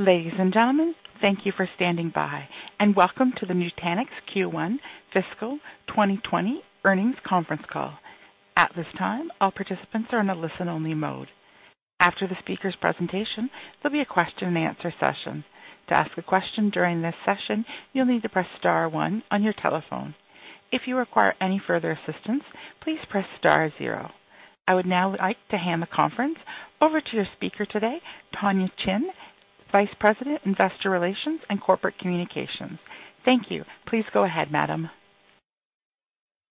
Ladies and gentlemen, thank you for standing by, and welcome to the Nutanix Q1 Fiscal 2020 Earnings Conference Call. At this time, all participants are in a listen-only mode. After the speaker's presentation, there'll be a question and answer session. To ask a question during this session, you'll need to press star one on your telephone. If you require any further assistance, please press star zero. I would now like to hand the conference over to the speaker today, Tonya Chin, Vice President, Investor Relations and Corporate Communications. Thank you. Please go ahead, madam.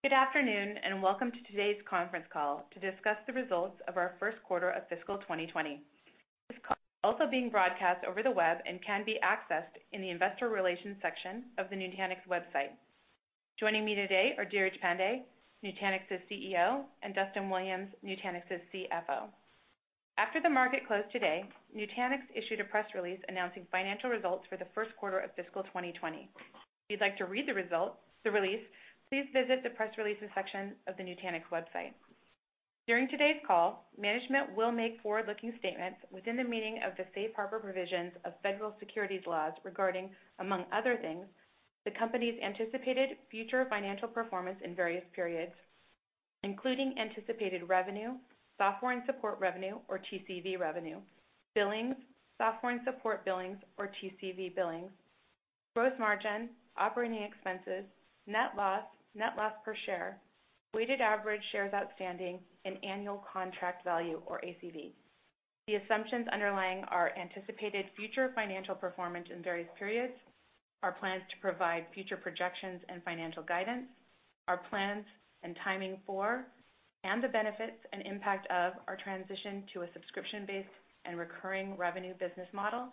Good afternoon, welcome to today's conference call to discuss the results of our first quarter of fiscal 2020. This call is also being broadcast over the web and can be accessed in the investor relations section of the nutanix website. Joining me today are Dheeraj Pandey, Nutanix's CEO, and Duston Williams, Nutanix's CFO. After the market closed today, Nutanix issued a press release announcing financial results for the first quarter of fiscal 2020. If you'd like to read the release, please visit the press releases section of the nutanix website. During today's call, management will make forward-looking statements within the meaning of the Safe Harbor provisions of federal securities laws regarding, among other things, the company's anticipated future financial performance in various periods, including anticipated revenue, software and support revenue or TCV revenue, billings, software and support billings or TCV billings, gross margin, operating expenses, net loss, net loss per share, weighted average shares outstanding, and annual contract value or ACV. The assumptions underlying our anticipated future financial performance in various periods, our plans to provide future projections and financial guidance, our plans and timing for, and the benefits and impact of our transition to a subscription-based and recurring revenue business model,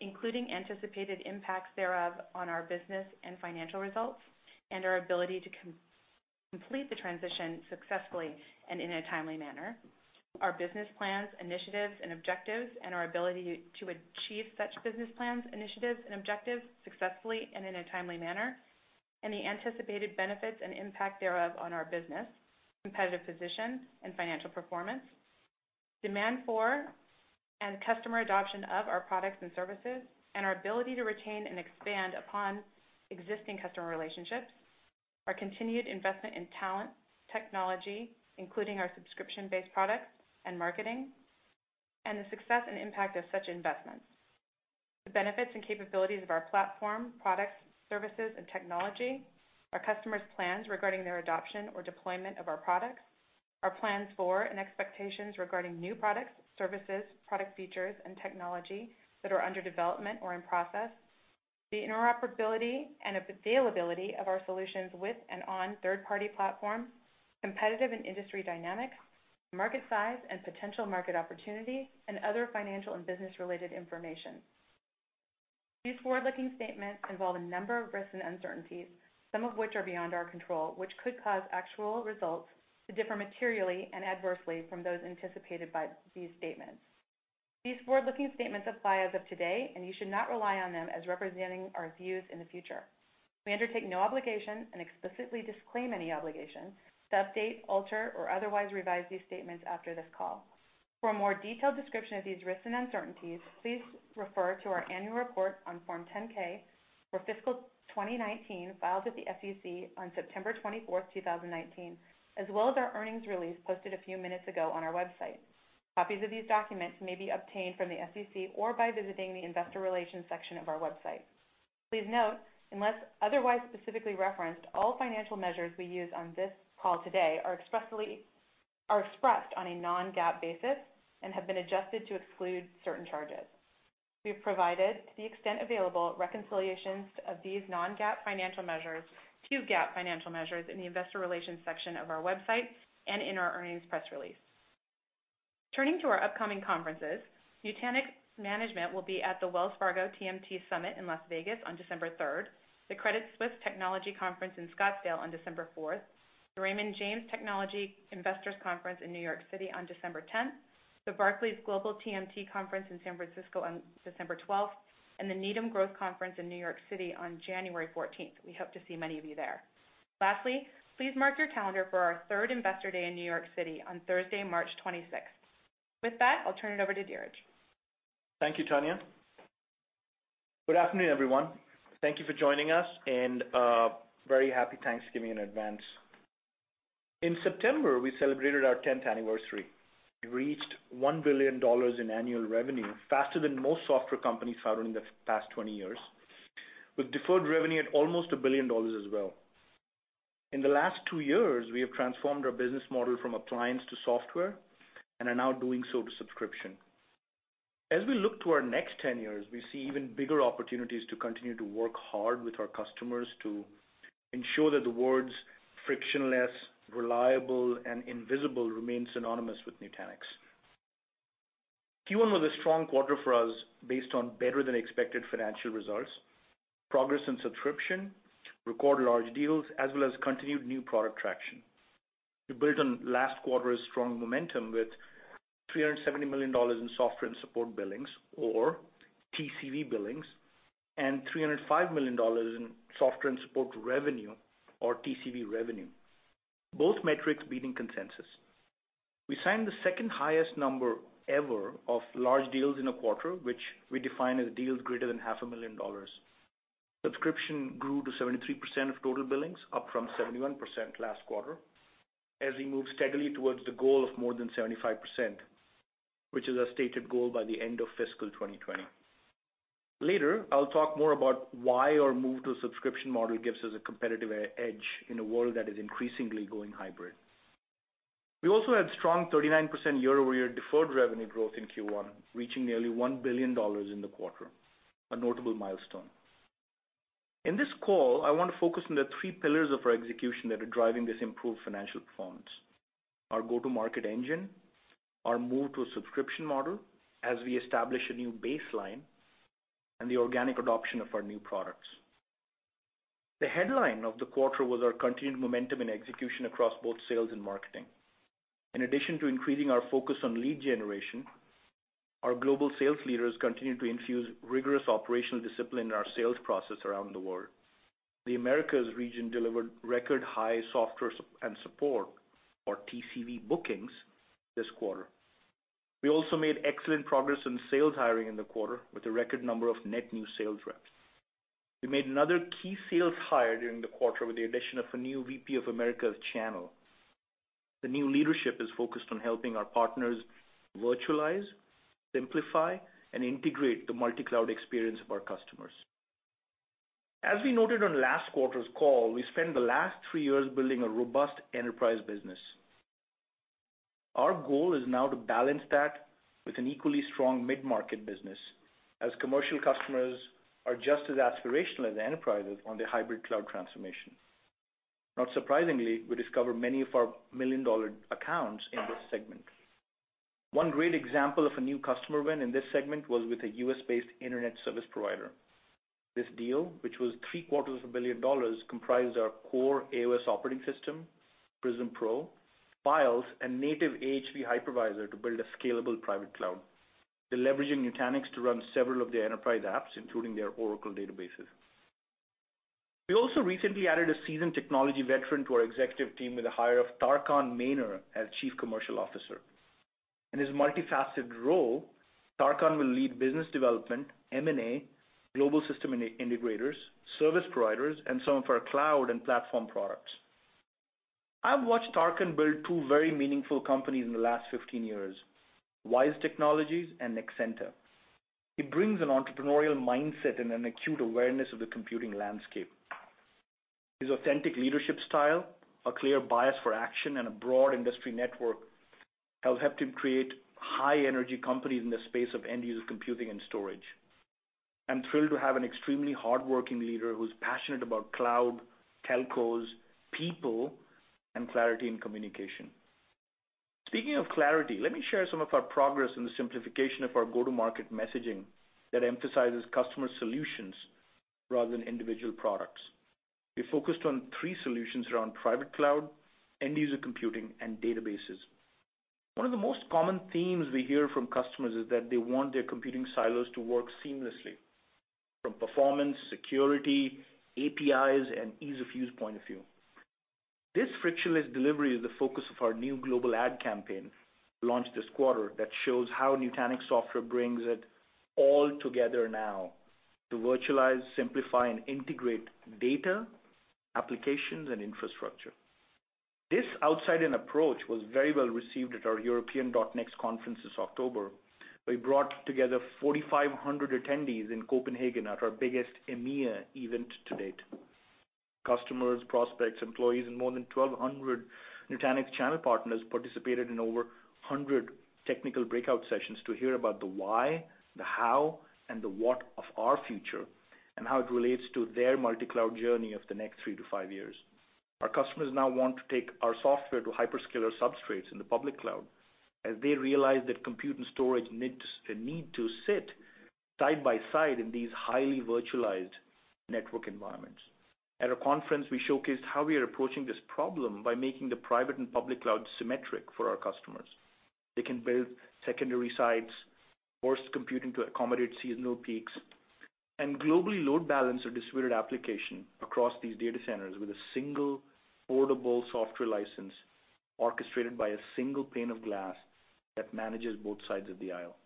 including anticipated impacts thereof on our business and financial results and our ability to complete the transition successfully and in a timely manner, our business plans, initiatives, and objectives and our ability to achieve such business plans, initiatives, and objectives successfully and in a timely manner, and the anticipated benefits and impact thereof on our business, competitive position and financial performance, demand for and customer adoption of our products and services, and our ability to retain and expand upon existing customer relationships, our continued investment in talent, technology, including our subscription-based products and marketing, and the success and impact of such investments. The benefits and capabilities of our platform, products, services, and technology, our customers' plans regarding their adoption or deployment of our products, our plans for and expectations regarding new products, services, product features, and technology that are under development or in process, the interoperability and availability of our solutions with and on third-party platforms, competitive and industry dynamics, market size and potential market opportunity, and other financial and business-related information. These forward-looking statements involve a number of risks and uncertainties, some of which are beyond our control, which could cause actual results to differ materially and adversely from those anticipated by these statements. These forward-looking statements apply as of today, and you should not rely on them as representing our views in the future. We undertake no obligation and explicitly disclaim any obligation to update, alter, or otherwise revise these statements after this call. For a more detailed description of these risks and uncertainties, please refer to our annual report on Form 10-K for fiscal 2019 filed with the SEC on September 24th, 2019, as well as our earnings release posted a few minutes ago on our website. Copies of these documents may be obtained from the SEC or by visiting the investor relations section of our website. Please note, unless otherwise specifically referenced, all financial measures we use on this call today are expressed on a non-GAAP basis and have been adjusted to exclude certain charges. We have provided, to the extent available, reconciliations of these non-GAAP financial measures to GAAP financial measures in the investor relations section of our website and in our earnings press release. Turning to our upcoming conferences, Nutanix management will be at the Wells Fargo TMT Summit in Las Vegas on December 3rd, the Credit Suisse Technology Conference in Scottsdale on December 4th, the Raymond James Technology Investors Conference in New York City on December 10th, the Barclays Global TMT Conference in San Francisco on December 12th, and the Needham Growth Conference in New York City on January 14th. We hope to see many of you there. Lastly, please mark your calendar for our third Investor Day in New York City on Thursday, March 26th. With that, I'll turn it over to Dheeraj. Thank you, Tonya. Good afternoon, everyone. Thank you for joining us. Very Happy Thanksgiving in advance. In September, we celebrated our 10th anniversary. We reached $1 billion in annual revenue faster than most software companies have in the past 20 years, with deferred revenue at almost $1 billion as well. In the last two years, we have transformed our business model from appliance to software and are now doing so to subscription. As we look to our next 10 years, we see even bigger opportunities to continue to work hard with our customers to ensure that the words frictionless, reliable, and invisible remain synonymous with Nutanix. Q1 was a strong quarter for us based on better-than-expected financial results, progress in subscription, record large deals, as well as continued new product traction. We built on last quarter's strong momentum with $370 million in software and support billings or TCV billings, and $305 million in software and support revenue or TCV revenue. Both metrics beating consensus. We signed the second highest number ever of large deals in a quarter, which we define as deals greater than half a million dollars. Subscription grew to 73% of total billings, up from 71% last quarter, as we move steadily towards the goal of more than 75%, which is our stated goal by the end of fiscal 2020. Later, I'll talk more about why our move to a subscription model gives us a competitive edge in a world that is increasingly going hybrid. We also had strong 39% year-over-year deferred revenue growth in Q1, reaching nearly $1 billion in the quarter, a notable milestone. In this call, I want to focus on the three pillars of our execution that are driving this improved financial performance, our go-to-market engine, our move to a subscription model as we establish a new baseline, and the organic adoption of our new products. The headline of the quarter was our continued momentum and execution across both sales and marketing. In addition to increasing our focus on lead generation, our global sales leaders continued to infuse rigorous operational discipline in our sales process around the world. The Americas region delivered record-high software and support or TCV bookings this quarter. We also made excellent progress on sales hiring in the quarter with a record number of net new sales reps. We made another key sales hire during the quarter with the addition of a new VP of Americas Channel. The new leadership is focused on helping our partners virtualize, simplify, and integrate the multi-cloud experience of our customers. As we noted on last quarter's call, we spent the last three years building a robust enterprise business. Our goal is now to balance that with an equally strong mid-market business, as commercial customers are just as aspirational as enterprises on their hybrid cloud transformation. Not surprisingly, we discover many of our million-dollar accounts in this segment. One great example of a new customer win in this segment was with a U.S.-based internet service provider. This deal, which was $750,000 comprised our core AOS operating system, Prism Pro, Files, and native AHV hypervisor to build a scalable private cloud. They're leveraging Nutanix to run several of their enterprise apps, including their Oracle databases. We also recently added a seasoned technology veteran to our executive team with the hire of Tarkan Maner as Chief Commercial Officer. In his multifaceted role, Tarkan will lead business development, M&A, global system integrators, service providers, and some of our cloud and platform products. I've watched Tarkan build two very meaningful companies in the last 15 years, Wyse Technology and Nexenta. He brings an entrepreneurial mindset and an acute awareness of the computing landscape. His authentic leadership style, a clear bias for action, and a broad industry network, have helped him create high-energy companies in the space of end-user computing and storage. I'm thrilled to have an extremely hardworking leader who's passionate about cloud, telcos, people, and clarity in communication. Speaking of clarity, let me share some of our progress in the simplification of our go-to-market messaging that emphasizes customer solutions rather than individual products. We focused on three solutions around private cloud, end-user computing, and databases. One of the most common themes we hear from customers is that they want their computing silos to work seamlessly, from performance, security, APIs, and ease of use point of view. This frictionless delivery is the focus of our new global ad campaign, launched this quarter, that shows how Nutanix software brings it all together now to virtualize, simplify, and integrate data, applications, and infrastructure. This outside-in approach was very well received at our European .NEXT conference this October. We brought together 4,500 attendees in Copenhagen at our biggest EMEA event to date. Customers, prospects, employees, and more than 1,200 Nutanix channel partners participated in over 100 technical breakout sessions to hear about the why, the how, and the what of our future, and how it relates to their multi-cloud journey of the next three to five years. Our customers now want to take our software to hyperscaler substrates in the public cloud, as they realize that compute and storage need to sit side by side in these highly virtualized network environments. At our conference, we showcased how we are approaching this problem by making the private and public cloud symmetric for our customers. They can build secondary sites, burst computing to accommodate seasonal peaks, and globally load balance a distributed application across these data centers with a single portable software license orchestrated by a single pane of glass that manages both sides of the aisle.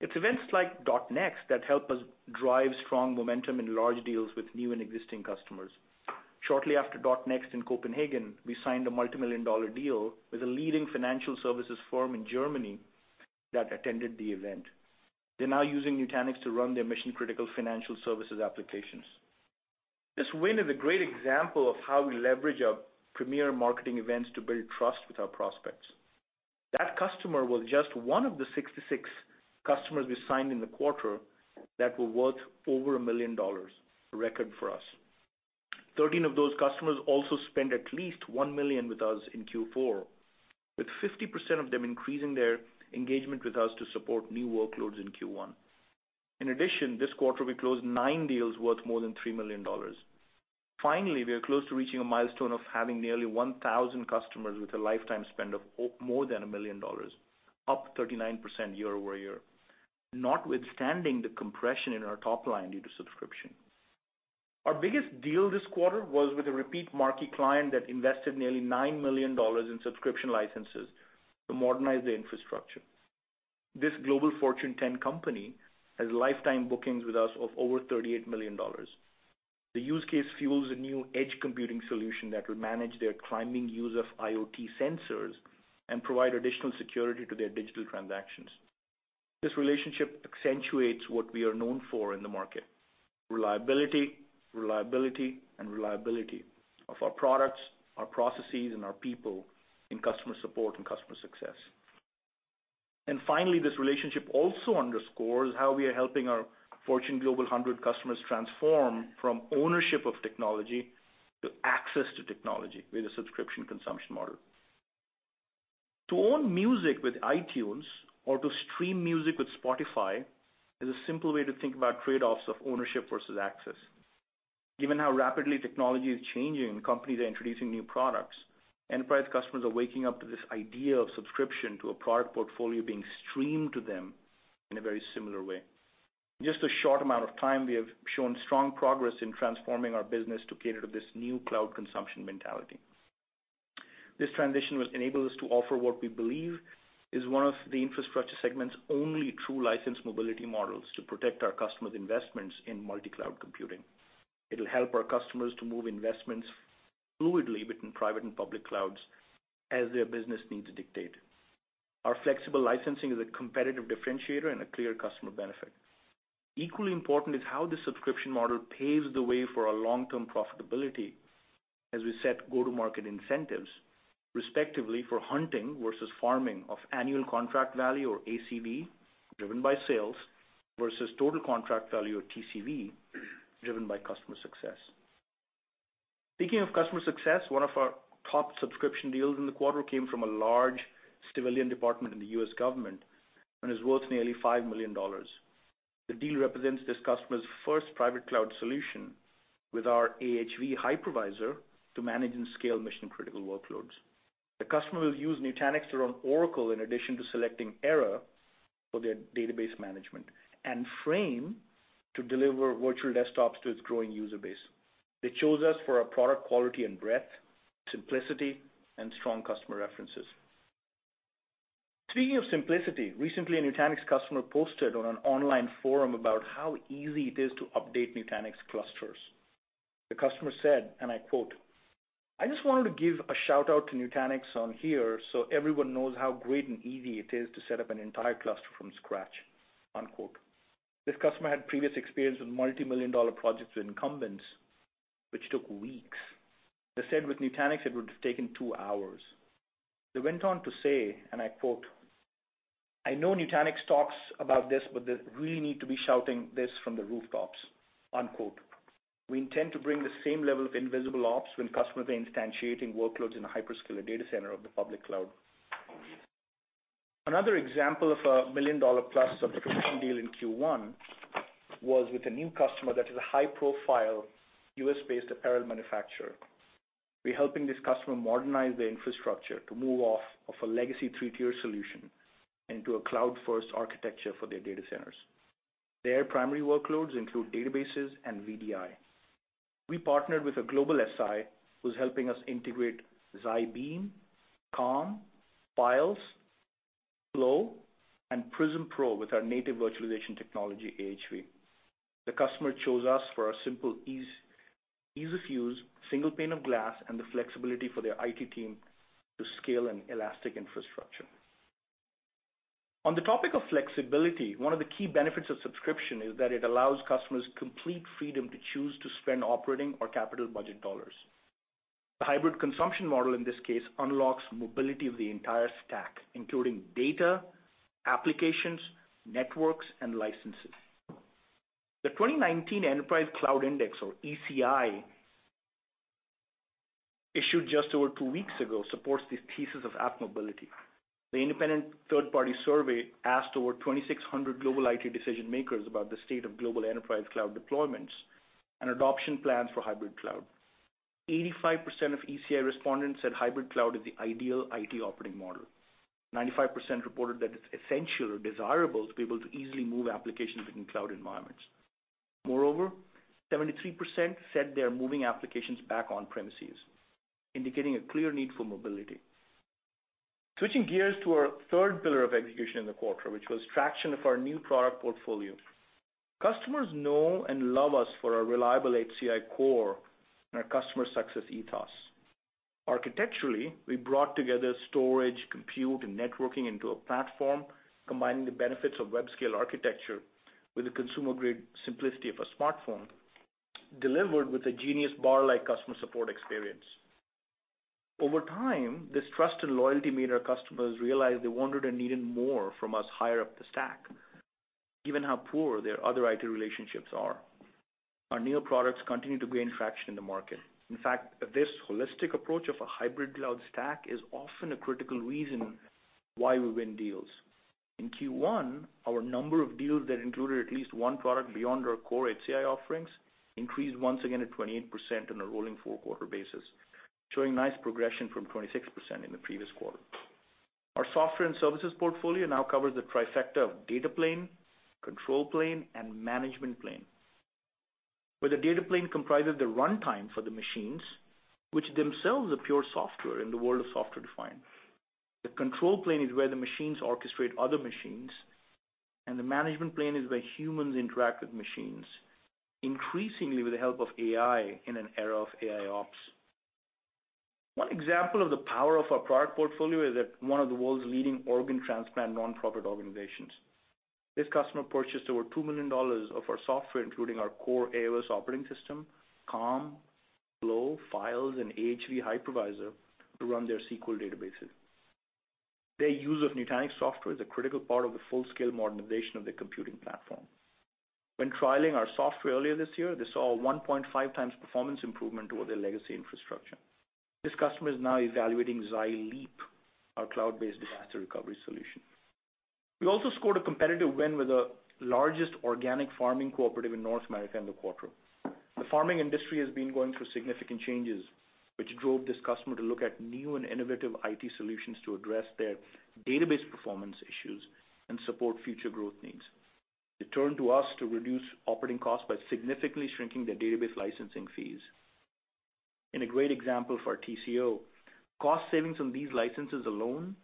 It's events like .NEXT that help us drive strong momentum in large deals with new and existing customers. Shortly after .NEXT in Copenhagen, we signed a multimillion-dollar deal with a leading financial services firm in Germany that attended the event. They're now using Nutanix to run their mission-critical financial services applications. This win is a great example of how we leverage our premier marketing events to build trust with our prospects. That customer was just one of the 66 customers we signed in the quarter that were worth over $1 million, a record for us. 13 of those customers also spent at least $1 million with us in Q4, with 50% of them increasing their engagement with us to support new workloads in Q1. In addition, this quarter, we closed nine deals worth more than $3 million. Finally, we are close to reaching a milestone of having nearly 1,000 customers with a lifetime spend of more than $1 million, up 39% year-over-year. Notwithstanding the compression in our top line due to subscription. Our biggest deal this quarter was with a repeat marquee client that invested nearly $9 million in subscription licenses to modernize their infrastructure. This Fortune 10 company has lifetime bookings with us of over $38 million. The use case fuels a new edge computing solution that will manage their climbing use of IoT sensors and provide additional security to their digital transactions. This relationship accentuates what we are known for in the market, reliability, and reliability of our products, our processes, and our people in customer support and customer success. Finally, this relationship also underscores how we are helping our Fortune Global 100 customers transform from ownership of technology to access to technology with a subscription consumption model. To own music with iTunes or to stream music with Spotify is a simple way to think about trade-offs of ownership versus access. Given how rapidly technology is changing and companies are introducing new products, enterprise customers are waking up to this idea of subscription to a product portfolio being streamed to them in a very similar way. In just a short amount of time, we have shown strong progress in transforming our business to cater to this new cloud consumption mentality. This transition will enable us to offer what we believe is one of the infrastructure segment's only true license mobility models to protect our customers' investments in multi-cloud computing. It'll help our customers to move investments fluidly between private and public clouds as their business needs dictate. Our flexible licensing is a competitive differentiator and a clear customer benefit. Equally important is how the subscription model paves the way for our long-term profitability as we set go-to-market incentives, respectively for hunting versus farming of Annual Contract Value or ACV driven by sales versus Total Contract Value or TCV driven by customer success. Speaking of customer success, one of our top subscription deals in the quarter came from a large civilian department in the U.S. government and is worth nearly $5 million. The deal represents this customer's first private cloud solution with our AHV hypervisor to manage and scale mission-critical workloads. The customer will use Nutanix to run Oracle in addition to selecting Era for their database management and Frame to deliver virtual desktops to its growing user base. They chose us for our product quality and breadth, simplicity, and strong customer references. Speaking of simplicity, recently a Nutanix customer posted on an online forum about how easy it is to update Nutanix Clusters. The customer said, and I quote, "I just wanted to give a shout-out to Nutanix on here so everyone knows how great and easy it is to set up an entire cluster from scratch." unquote. This customer had previous experience with multi-million-dollar projects with incumbents, which took weeks. They said with Nutanix it would have taken two hours. They went on to say, and I quote, "I know Nutanix talks about this, but they really need to be shouting this from the rooftops." unquote. We intend to bring the same level of invisible ops when customers are instantiating workloads in the hyperscaler data center of the public cloud. Another example of a million-dollar-plus subscription deal in Q1 was with a new customer that is a high-profile U.S.-based apparel manufacturer. We're helping this customer modernize their infrastructure to move off of a legacy 3-tier solution into a cloud-first architecture for their data centers. Their primary workloads include databases and VDI. We partnered with a global SI who's helping us integrate Beam, Calm, Files, Flow, and Prism Pro with our native virtualization technology, AHV. The customer chose us for our simple ease of use, single pane of glass, and the flexibility for their IT team to scale an elastic infrastructure. On the topic of flexibility, one of the key benefits of subscription is that it allows customers complete freedom to choose to spend operating or capital budget $. The hybrid consumption model, in this case, unlocks mobility of the entire stack, including data, applications, networks, and licenses. The 2019 Enterprise Cloud Index, or ECI, issued just over two weeks ago, supports these pieces of app mobility. The independent third-party survey asked over 2,600 global IT decision-makers about the state of global enterprise cloud deployments and adoption plans for hybrid cloud. 85% of ECI respondents said hybrid cloud is the ideal IT operating model. 95% reported that it's essential or desirable to be able to easily move applications between cloud environments. Moreover, 73% said they are moving applications back on premises, indicating a clear need for mobility. Switching gears to our third pillar of execution in the quarter, which was traction of our new product portfolio. Customers know and love us for our reliable HCI core and our customer success ethos. Architecturally, we brought together storage, compute, and networking into a platform combining the benefits of web-scale architecture with the consumer-grade simplicity of a smartphone, delivered with a genius bar-like customer support experience. Over time, this trust and loyalty made our customers realize they wanted and needed more from us higher up the stack. Given how poor their other IT relationships are, our new products continue to gain traction in the market. In fact, this holistic approach of a hybrid cloud stack is often a critical reason why we win deals. In Q1, our number of deals that included at least one product beyond our core HCI offerings increased once again to 28% on a rolling four-quarter basis. Showing nice progression from 26% in the previous quarter. Our software and services portfolio now covers the trifecta of data plane, control plane, and management plane, where the data plane comprises the runtime for the machines, which themselves are pure software in the world of software-defined. The control plane is where the machines orchestrate other machines, and the management plane is where humans interact with machines, increasingly with the help of AI in an era of AIOps. One example of the power of our product portfolio is at one of the world's leading organ transplant non-profit organizations. This customer purchased over $2 million of our software, including our core AOS operating system, Calm, Flow, Files, and AHV hypervisor to run their SQL databases. Their use of Nutanix software is a critical part of the full-scale modernization of their computing platform. When trialing our software earlier this year, they saw a 1.5 times performance improvement over their legacy infrastructure. This customer is now evaluating Xi Leap, our cloud-based disaster recovery solution. We also scored a competitive win with the largest organic farming cooperative in North America in the quarter. The farming industry has been going through significant changes, which drove this customer to look at new and innovative IT solutions to address their database performance issues and support future growth needs. They turned to us to reduce operating costs by significantly shrinking their database licensing fees. In a great example for our TCO, cost savings on these licenses alone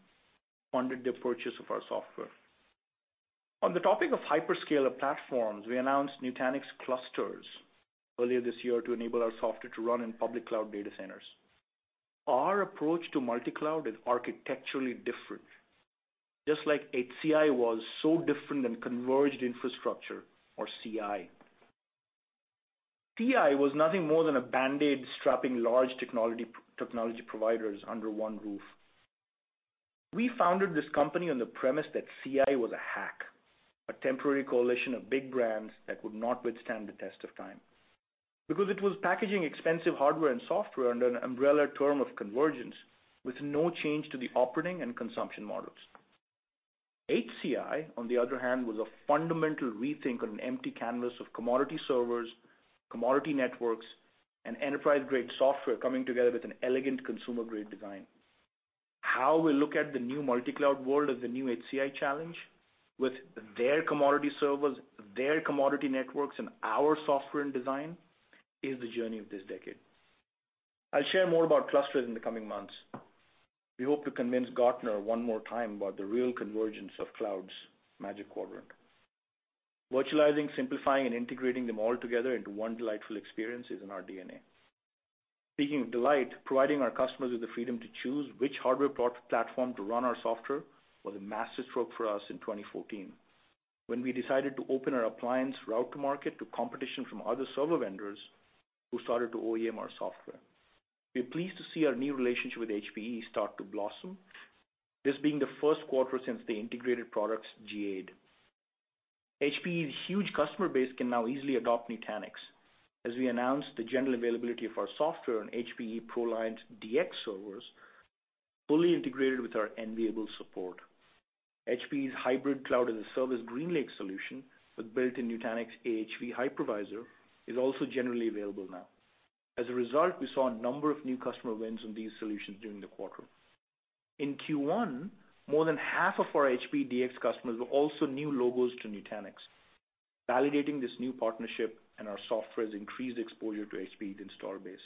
funded the purchase of our software. On the topic of hyperscaler platforms, we announced Nutanix Clusters earlier this year to enable our software to run in public cloud data centers. Our approach to multi-cloud is architecturally different, just like HCI was so different than converged infrastructure or CI. CI was nothing more than a Band-Aid strapping large technology providers under one roof. We founded this company on the premise that CI was a hack, a temporary coalition of big brands that would not withstand the test of time, because it was packaging expensive hardware and software under an umbrella term of convergence with no change to the operating and consumption models. HCI, on the other hand, was a fundamental rethink on an empty canvas of commodity servers, commodity networks, and enterprise-grade software coming together with an elegant consumer-grade design. How we look at the new multi-cloud world as the new HCI challenge with their commodity servers, their commodity networks, and our software and design is the journey of this decade. I'll share more about Clusters in the coming months. We hope to convince Gartner one more time about the real convergence of cloud's Magic Quadrant. Virtualizing, simplifying, and integrating them all together into one delightful experience is in our DNA. Speaking of delight, providing our customers with the freedom to choose which hardware platform to run our software was a massive stroke for us in 2014. When we decided to open our appliance route to market to competition from other server vendors who started to OEM our software. We are pleased to see our new relationship with HPE start to blossom, this being the first quarter since the integrated products GA'd. HPE's huge customer base can now easily adopt Nutanix, as we announced the general availability of our software on HPE ProLiant DX servers, fully integrated with our enviable support. HPE's hybrid cloud as a service GreenLake solution with built-in Nutanix AHV hypervisor is also generally available now. As a result, we saw a number of new customer wins on these solutions during the quarter. In Q1, more than half of our HPE DX customers were also new logos to Nutanix, validating this new partnership and our software's increased exposure to HPE's install base.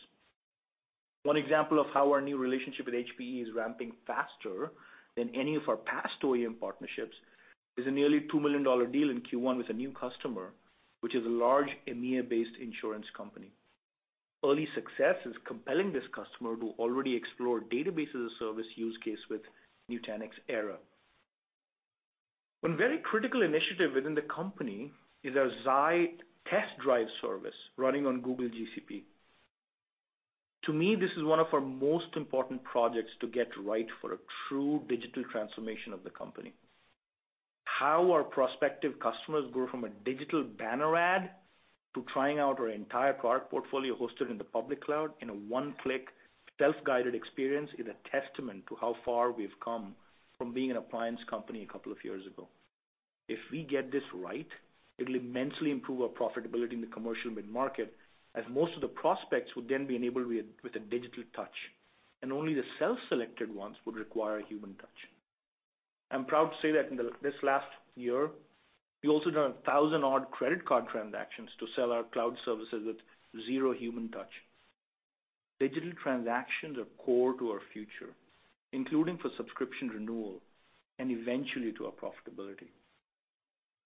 One example of how our new relationship with HPE is ramping faster than any of our past OEM partnerships is a nearly $2 million deal in Q1 with a new customer, which is a large EMEA-based insurance company. Early success is compelling this customer to already explore database as a service use case with Nutanix Era. One very critical initiative within the company is our Xi Test Drive service running on Google GCP. To me, this is one of our most important projects to get right for a true digital transformation of the company. How our prospective customers go from a digital banner ad to trying out our entire product portfolio hosted in the public cloud in a one-click, self-guided experience is a testament to how far we've come from being an appliance company a couple of years ago. If we get this right, it'll immensely improve our profitability in the commercial mid-market, as most of the prospects would then be enabled with a digital touch, and only the self-selected ones would require a human touch. I'm proud to say that in this last year, we also done 1,000-odd credit card transactions to sell our cloud services with zero human touch. Digital transactions are core to our future, including for subscription renewal, and eventually to our profitability.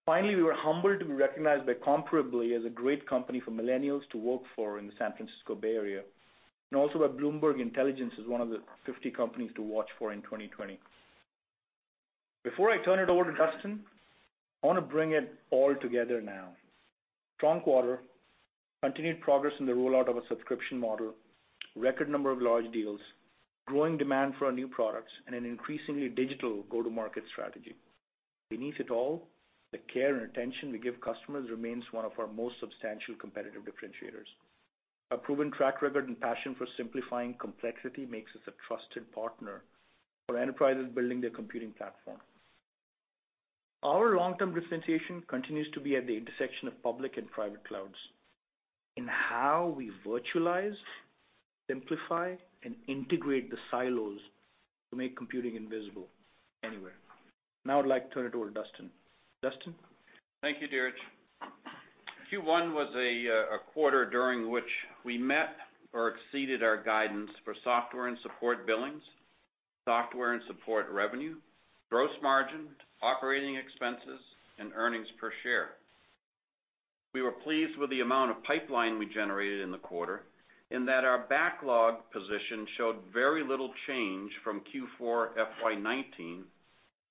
Finally, we were humbled to be recognized by Comparably as a great company for millennials to work for in the San Francisco Bay Area, and also by Bloomberg Intelligence as one of the 50 companies to watch for in 2020. Before I turn it over to Duston, I want to bring it all together now. Strong quarter, continued progress in the rollout of a subscription model, record number of large deals, growing demand for our new products, and an increasingly digital go-to-market strategy. Beneath it all, the care and attention we give customers remains one of our most substantial competitive differentiators. Our proven track record and passion for simplifying complexity makes us a trusted partner for enterprises building their computing platform. Our long-term differentiation continues to be at the intersection of public and private clouds in how we virtualize, simplify, and integrate the silos to make computing invisible anywhere. Now I'd like to turn it over to Duston. Duston? Thank you, Dheeraj. Q1 was a quarter during which we met or exceeded our guidance for software and support billings, software and support revenue, gross margin, operating expenses, and earnings per share. We were pleased with the amount of pipeline we generated in the quarter, and that our backlog position showed very little change from Q4 FY 2019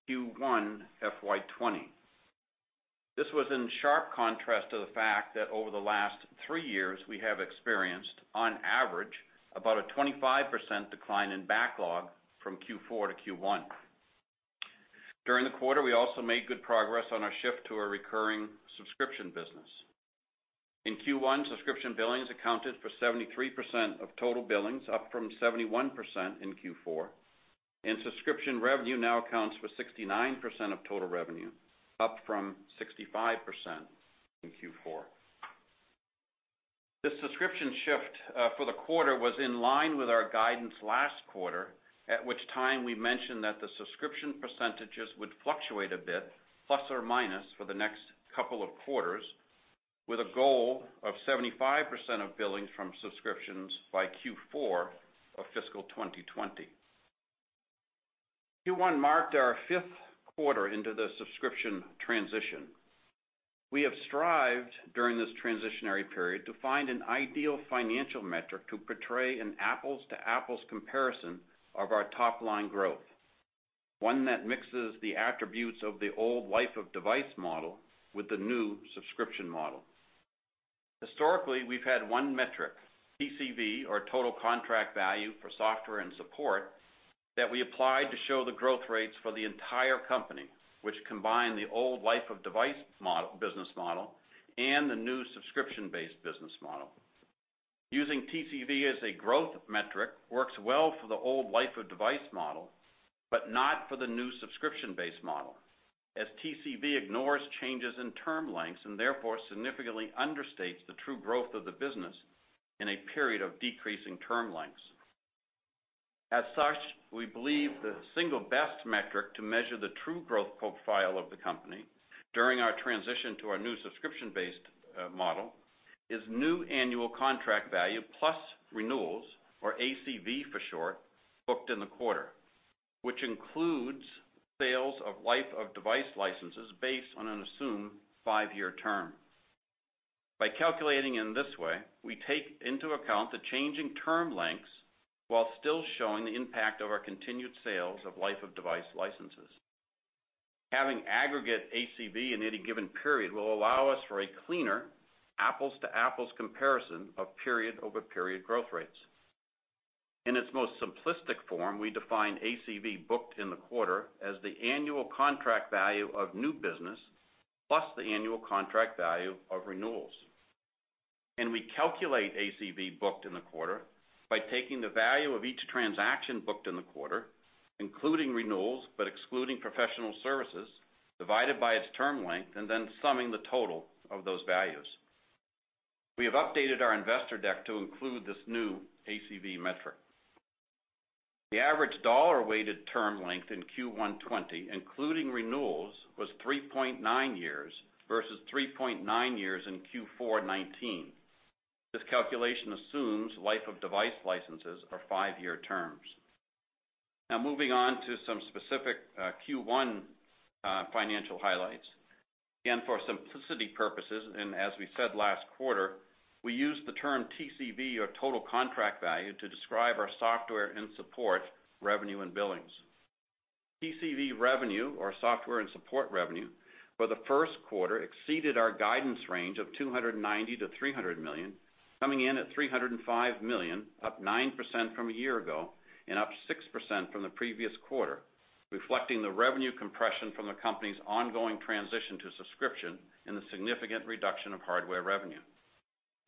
to Q1 FY 2020. This was in sharp contrast to the fact that over the last three years, we have experienced, on average, about a 25% decline in backlog from Q4 to Q1. During the quarter, we also made good progress on our shift to a recurring subscription business. In Q1, subscription billings accounted for 73% of total billings, up from 71% in Q4, and subscription revenue now accounts for 69% of total revenue, up from 65% in Q4. This subscription shift for the quarter was in line with our guidance last quarter, at which time we mentioned that the subscription percentages would fluctuate a bit, plus or minus, for the next couple of quarters, with a goal of 75% of billings from subscriptions by Q4 of fiscal 2020. Q1 marked our fifth quarter into the subscription transition. We have strived during this transitionary period to find an ideal financial metric to portray an apples to apples comparison of our top-line growth, one that mixes the attributes of the old life-of-device model with the new subscription model. Historically, we've had one metric, TCV, or total contract value for software and support, that we applied to show the growth rates for the entire company, which combined the old life-of-device business model and the new subscription-based business model. Using TCV as a growth metric works well for the old life-of-device model, but not for the new subscription-based model, as TCV ignores changes in term lengths, and therefore significantly understates the true growth of the business in a period of decreasing term lengths. As such, we believe the single best metric to measure the true growth profile of the company during our transition to our new subscription-based model is new annual contract value plus renewals, or ACV for short, booked in the quarter, which includes sales of life-of-device licenses based on an assumed five-year term. By calculating in this way, we take into account the changing term lengths while still showing the impact of our continued sales of life-of-device licenses. Having aggregate ACV in any given period will allow us for a cleaner apples to apples comparison of period-over-period growth rates. In its most simplistic form, we define ACV booked in the quarter as the annual contract value of new business, plus the annual contract value of renewals. We calculate ACV booked in the quarter by taking the value of each transaction booked in the quarter, including renewals but excluding professional services, divided by its term length, then summing the total of those values. We have updated our investor deck to include this new ACV metric. The average dollar-weighted term length in Q1 2020, including renewals, was 3.9 years versus 3.9 years in Q4 2019. This calculation assumes life-of-device licenses are five-year terms. Moving on to some specific Q1 financial highlights. For simplicity purposes, and as we said last quarter, we use the term TCV, or total contract value, to describe our software and support revenue and billings. TCV revenue, or software and support revenue, for the first quarter exceeded our guidance range of $290 million-$300 million, coming in at $305 million, up 9% from a year ago and up 6% from the previous quarter, reflecting the revenue compression from the company's ongoing transition to subscription and the significant reduction of hardware revenue.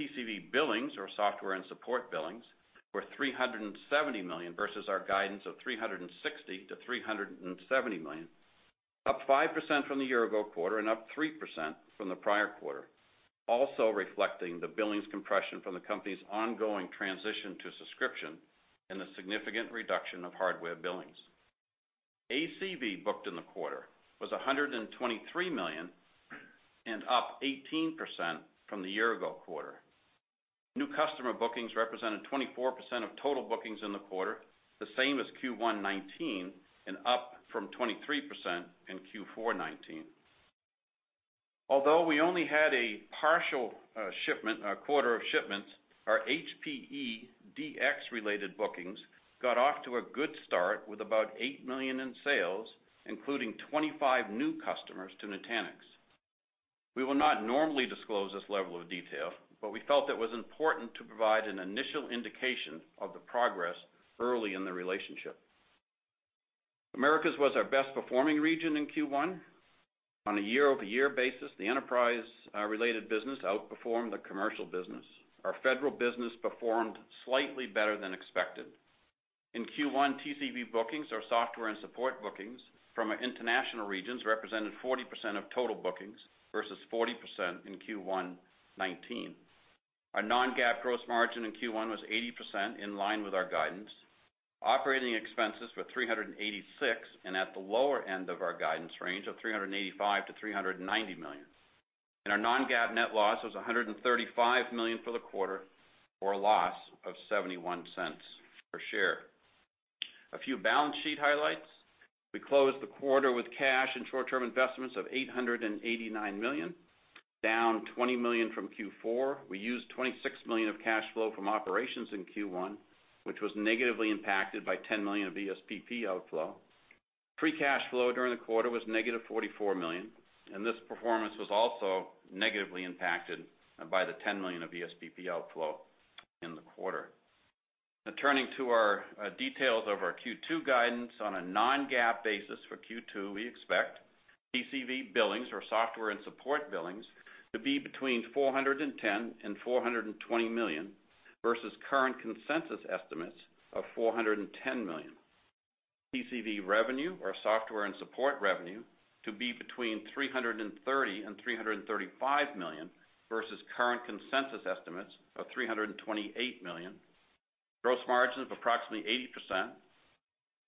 TCV billings, or software and support billings, were $370 million versus our guidance of $360 million-$370 million, up 5% from the year-ago quarter and up 3% from the prior quarter, also reflecting the billings compression from the company's ongoing transition to subscription and the significant reduction of hardware billings. ACV booked in the quarter was $123 million and up 18% from the year-ago quarter. New customer bookings represented 24% of total bookings in the quarter, the same as Q1 2019 and up from 23% in Q4 2019. Although we only had a partial quarter of shipments, our HPE DX related bookings got off to a good start with about $8 million in sales, including 25 new customers to Nutanix. We will not normally disclose this level of detail, but we felt it was important to provide an initial indication of the progress early in the relationship. Americas was our best performing region in Q1. On a year-over-year basis, the enterprise-related business outperformed the commercial business. Our federal business performed slightly better than expected. In Q1, TCV bookings or software and support bookings from our international regions represented 40% of total bookings versus 40% in Q1 2019. Our non-GAAP gross margin in Q1 was 80%, in line with our guidance. Operating expenses were $386 million and at the lower end of our guidance range of $385 million-$390 million. Our non-GAAP net loss was $135 million for the quarter, or a loss of $0.71 per share. A few balance sheet highlights. We closed the quarter with cash and short-term investments of $889 million, down $20 million from Q4. We used $26 million of cash flow from operations in Q1, which was negatively impacted by $10 million of ESPP outflow. Free cash flow during the quarter was negative $44 million, and this performance was also negatively impacted by the $10 million of ESPP outflow in the quarter. Turning to our details of our Q2 guidance on a non-GAAP basis for Q2, we expect TCV billings or software and support billings to be between $410 million-$420 million versus current consensus estimates of $410 million. TCV revenue or software and support revenue to be between $330 million-$335 million versus current consensus estimates of $328 million. Gross margins of approximately 80%.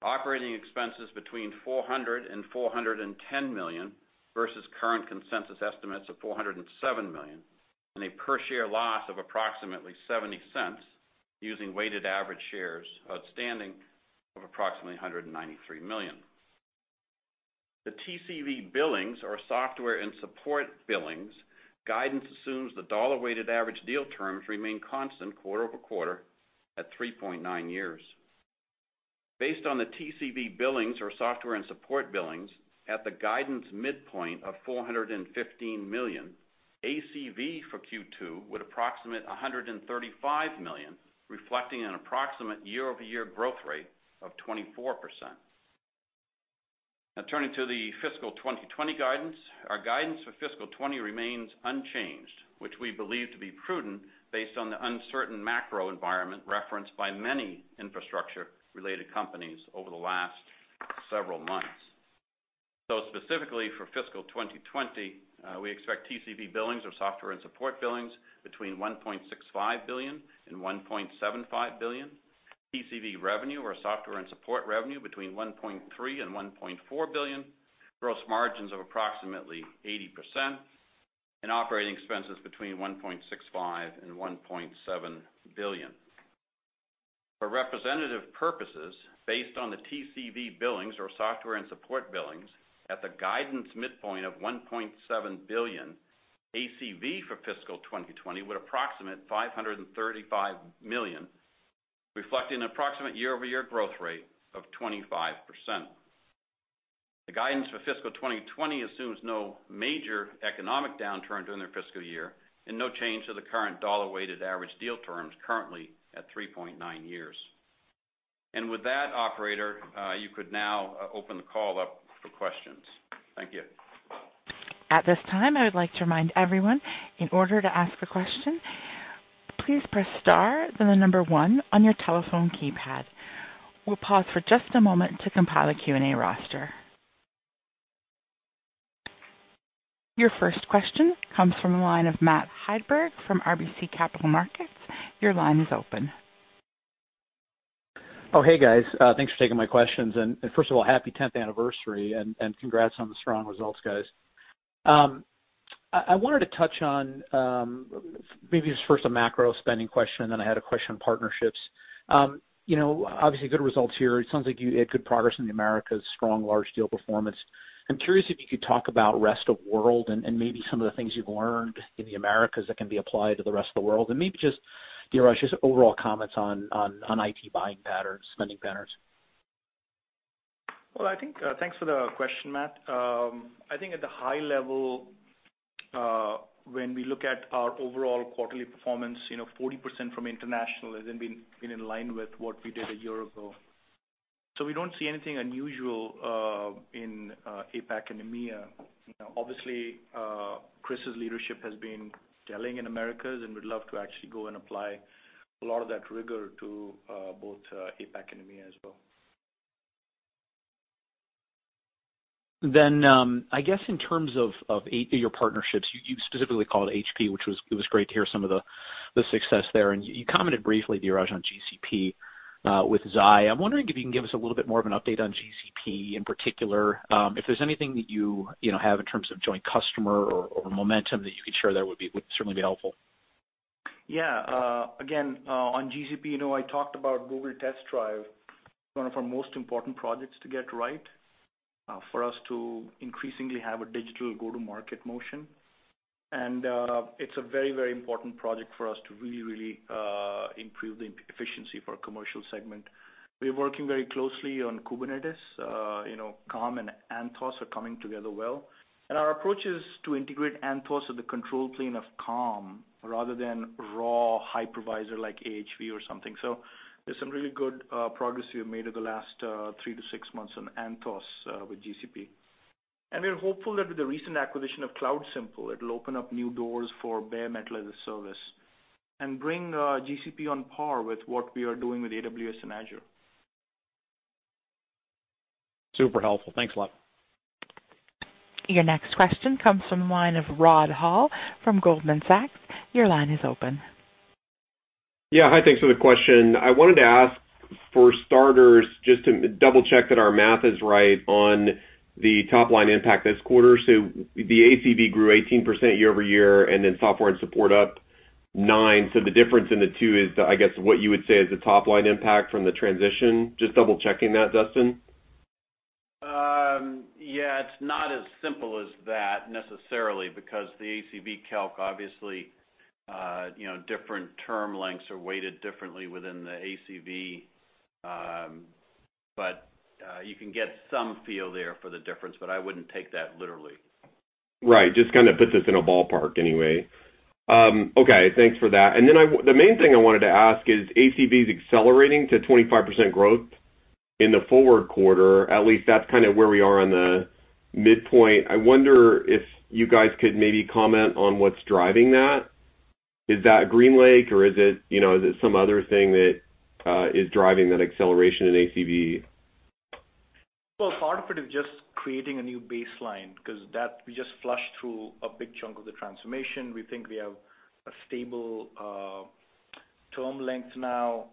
Operating expenses between $400 million-$410 million versus current consensus estimates of $407 million. A per-share loss of approximately $0.70 using weighted average shares outstanding of approximately 193 million. The TCV billings or software and support billings guidance assumes the dollar-weighted average deal terms remain constant quarter-over-quarter at 3.9 years. Based on the TCV billings or software and support billings at the guidance midpoint of $415 million, ACV for Q2 would approximate $135 million, reflecting an approximate year-over-year growth rate of 24%. Now turning to the fiscal 2020 guidance. Our guidance for fiscal 2020 remains unchanged, which we believe to be prudent based on the uncertain macro environment referenced by many infrastructure-related companies over the last several months. Specifically for fiscal 2020, we expect TCV billings or software and support billings between $1.65 billion-$1.75 billion. TCV revenue or software and support revenue between $1.3 billion and $1.4 billion. Gross margins of approximately 80%, and operating expenses between $1.65 billion and $1.7 billion. For representative purposes, based on the TCV billings or software and support billings at the guidance midpoint of $1.7 billion, ACV for fiscal 2020 would approximate $535 million, reflecting an approximate year-over-year growth rate of 25%. The guidance for fiscal 2020 assumes no major economic downturn during the fiscal year and no change to the current dollar-weighted average deal terms currently at 3.9 years. With that operator, you could now open the call up for questions. Thank you. At this time, I would like to remind everyone, in order to ask a question, please press star, then the number one on your telephone keypad. We'll pause for just a moment to compile a Q&A roster. Your first question comes from the line of Matt Hedberg from RBC Capital Markets. Your line is open. Hey guys. Thanks for taking my questions. First of all, happy 10th anniversary, and congrats on the strong results, guys. I wanted to touch on, maybe just first a macro spending question, then I had a question on partnerships. Obviously, good results here. It sounds like you had good progress in the Americas, strong large deal performance. I'm curious if you could talk about rest of world and maybe some of the things you've learned in the Americas that can be applied to the rest of the world, and maybe just, Dheeraj, just overall comments on IT buying patterns, spending patterns. Well, thanks for the question, Matt. I think at the high level, when we look at our overall quarterly performance, 40% from international has been in line with what we did a year ago. We don't see anything unusual in APAC and EMEA. Obviously, Chris's leadership has been telling in Americas, and we'd love to actually go and apply a lot of that rigor to both APAC and EMEA as well. I guess in terms of your partnerships, you specifically called HP, which it was great to hear some of the success there. You commented briefly, Dheeraj, on GCP with Xi. I'm wondering if you can give us a little bit more of an update on GCP in particular. If there's anything that you have in terms of joint customer or momentum that you could share there would certainly be helpful. On GCP, I talked about Xi Test Drive, one of our most important projects to get right, for us to increasingly have a digital go-to-market motion. It's a very important project for us to really improve the efficiency for our commercial segment. We're working very closely on Kubernetes. Calm and Anthos are coming together well, and our approach is to integrate Anthos with the control plane of Calm rather than raw hypervisor like AHV or something. There's some really good progress we've made over the last three to six months on Anthos with GCP. We are hopeful that with the recent acquisition of CloudSimple, it'll open up new doors for bare metal as a service and bring GCP on par with what we are doing with AWS and Azure. Super helpful. Thanks a lot. Your next question comes from the line of Rod Hall from Goldman Sachs. Your line is open. Yeah. Hi. Thanks for the question. I wanted to ask, for starters, just to double check that our math is right on the top-line impact this quarter. The ACV grew 18% year-over-year, and then software and support up nine. The difference in the two is, I guess, what you would say is the top-line impact from the transition. Just double checking that, Duston. It's not as simple as that necessarily because the ACV calc, obviously, different term lengths are weighted differently within the ACV. You can get some feel there for the difference, but I wouldn't take that literally. Right. Just puts us in a ballpark anyway. Okay. Thanks for that. The main thing I wanted to ask is ACV's accelerating to 25% growth in the forward quarter. At least that's where we are on the midpoint. I wonder if you guys could maybe comment on what's driving that. Is that GreenLake or is it some other thing that is driving that acceleration in ACV? Well, part of it is just creating a new baseline because we just flushed through a big chunk of the transformation. We think we have a stable term length now.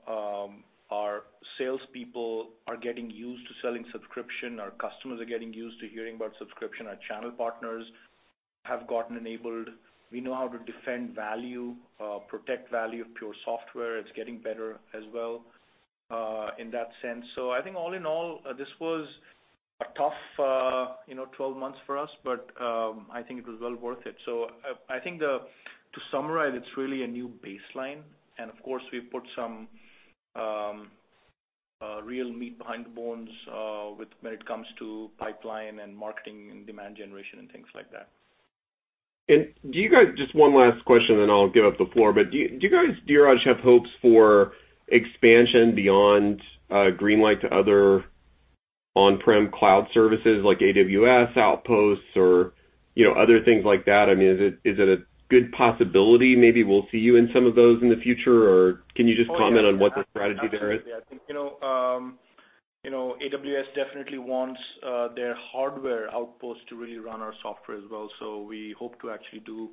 Our salespeople are getting used to selling subscription. Our customers are getting used to hearing about subscription. Our channel partners have gotten enabled. We know how to defend value, protect value of pure software. It's getting better as well, in that sense. I think all in all, this was a tough 12 months for us, but I think it was well worth it. I think to summarize, it's really a new baseline, and of course, we've put some real meat behind the bones when it comes to pipeline and marketing and demand generation and things like that. Just one last question, then I'll give up the floor. Do you guys, Dheeraj, have hopes for expansion beyond GreenLake to other on-prem cloud services like AWS Outposts or other things like that? Is it a good possibility maybe we'll see you in some of those in the future? Can you just comment on what the strategy there is? Absolutely. I think AWS definitely wants their hardware Outposts to really run our software as well. We hope to actually do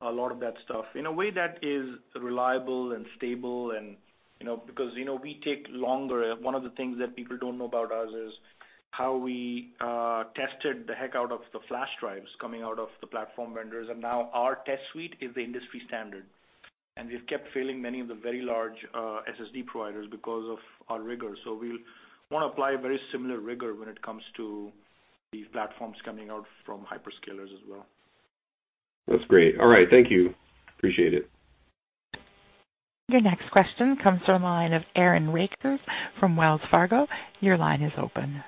a lot of that stuff in a way that is reliable and stable and because we take longer. One of the things that people don't know about us is how we tested the heck out of the flash drives coming out of the platform vendors. Now our test suite is the industry standard, and we've kept failing many of the very large SSD providers because of our rigor. We'll want to apply a very similar rigor when it comes to these platforms coming out from hyperscalers as well. That's great. All right. Thank you. Appreciate it. Your next question comes from the line of Aaron Rakers from Wells Fargo. Your line is open.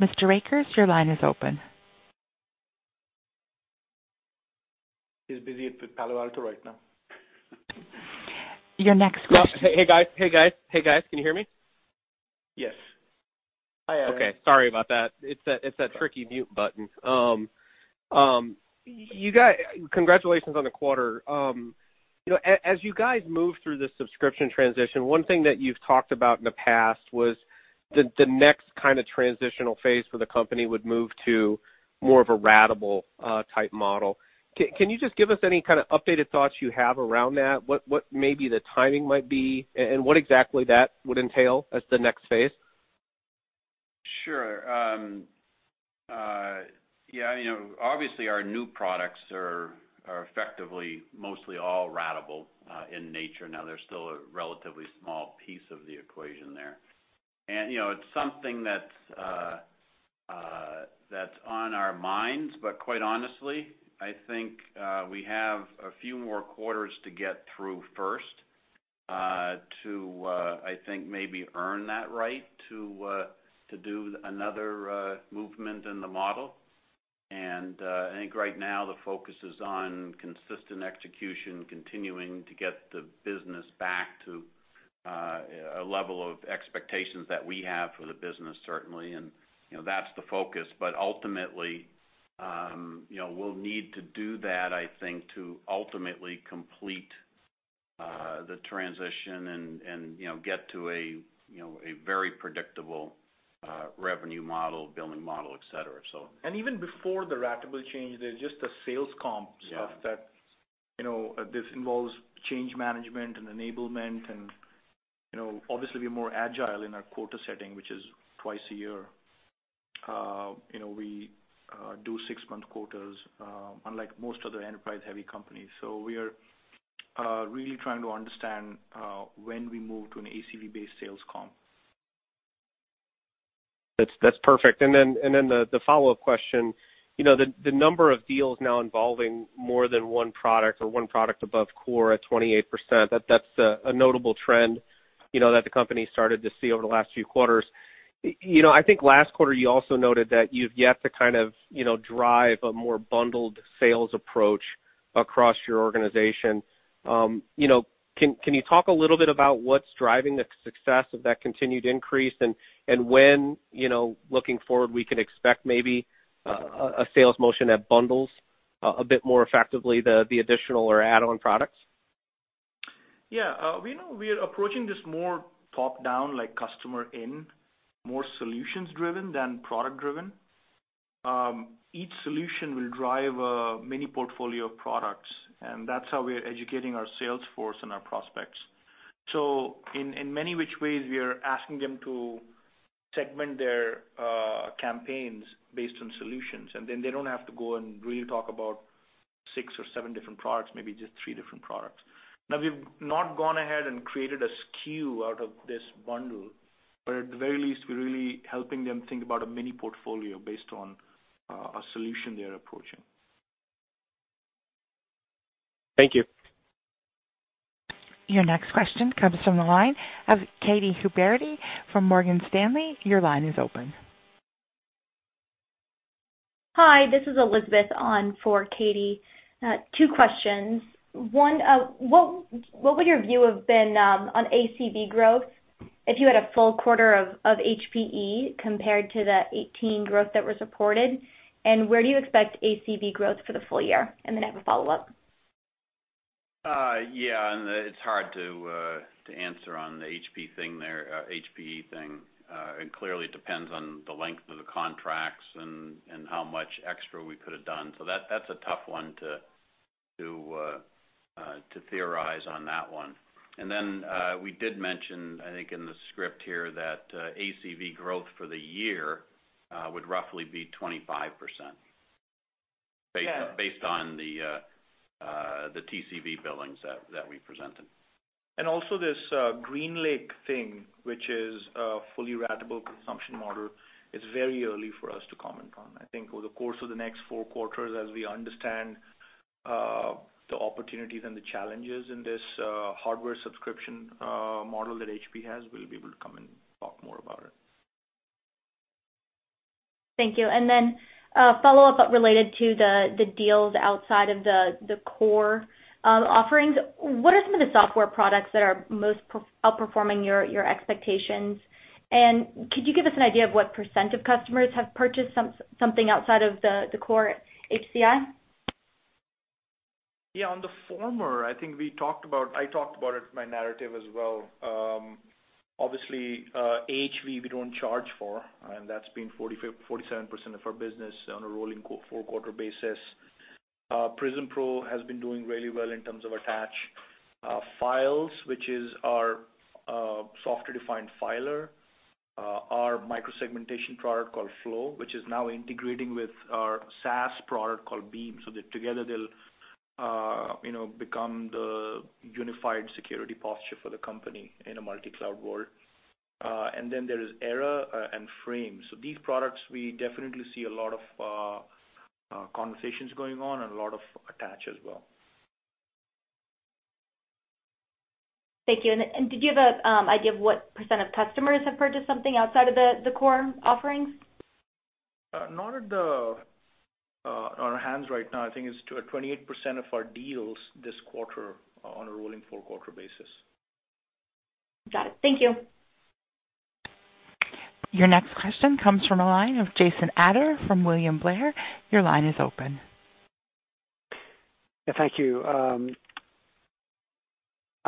Mr. Rakers, your line is open. He's busy at Palo Alto right now. Your next question. Hey, guys. Can you hear me? Yes. Hi, Aaron. Okay. Sorry about that. It's that tricky mute button. Congratulations on the quarter. As you guys move through the subscription transition, one thing that you've talked about in the past was the next transitional phase for the company would move to more of a ratable type model. Can you just give us any updated thoughts you have around that? What maybe the timing might be and what exactly that would entail as the next phase? Sure. Obviously, our new products are effectively mostly all ratable in nature now. They're still a relatively small piece of the equation there. It's something that's on our minds, but quite honestly, I think we have a few more quarters to get through first to, I think, maybe earn that right to do another movement in the model. I think right now the focus is on consistent execution, continuing to get the business back to a level of expectations that we have for the business, certainly, and that's the focus. Ultimately, we'll need to do that, I think, to ultimately complete the transition and get to a very predictable revenue model, billing model, et cetera. Even before the ratable change, there's just the sales comps. Yeah of that this involves change management and enablement and obviously we're more agile in our quota setting, which is twice a year. We do six-month quotas unlike most other enterprise-heavy companies. We are really trying to understand when we move to an ACV-based sales comp. That's perfect. The follow-up question. The number of deals now involving more than one product or one product above core at 28%, that's a notable trend that the company started to see over the last few quarters. I think last quarter you also noted that you've yet to drive a more bundled sales approach across your organization. Can you talk a little bit about what's driving the success of that continued increase and when, looking forward, we can expect maybe a sales motion that bundles a bit more effectively the additional or add-on products? We're approaching this more top-down, like customer in, more solutions driven than product driven. Each solution will drive a mini portfolio of products. That's how we are educating our sales force and our prospects. In many which ways, we are asking them to segment their campaigns based on solutions. They don't have to go and really talk about six or seven different products, maybe just three different products. We've not gone ahead and created a SKU out of this bundle. At the very least, we're really helping them think about a mini portfolio based on a solution they're approaching. Thank you. Your next question comes from the line of Katy Huberty from Morgan Stanley. Your line is open. Hi, this is Elizabeth on for Katy. Two questions. One, what would your view have been on ACV growth if you had a full quarter of HPE compared to the 18% growth that was reported? Where do you expect ACV growth for the full year? Then I have a follow-up. Yeah. It's hard to answer on the HPE thing. Clearly, it depends on the length of the contracts and how much extra we could have done. That's a tough one to theorize on that one. We did mention, I think in the script here, that ACV growth for the year would roughly be 25% based on the TCV billings that we presented. Also this GreenLake thing, which is a fully ratable consumption model, is very early for us to comment on. I think over the course of the next four quarters, as we understand the opportunities and the challenges in this hardware subscription model that HPE has, we'll be able to come and talk more about it. Thank you. A follow-up but related to the deals outside of the core offerings. What are some of the software products that are most outperforming your expectations? Could you give us an idea of what % of customers have purchased something outside of the core HCI? Yeah. On the former, I think I talked about it in my narrative as well. Obviously, AHV we don't charge for, and that's been 47% of our business on a rolling four-quarter basis. Prism Pro has been doing really well in terms of attach Files, which is our software-defined filer. Our micro-segmentation product called Flow, which is now integrating with our SaaS product called Beam, that together they'll become the unified security posture for the company in a multi-cloud world. There is Era and Frame. These products, we definitely see a lot of conversations going on and a lot of attach as well. Thank you. Did you have an idea of what % of customers have purchased something outside of the core offerings? Not at our hands right now. I think it's 28% of our deals this quarter on a rolling four-quarter basis. Got it. Thank you. Your next question comes from the line of Jason Ader from William Blair. Your line is open. Yeah, thank you. On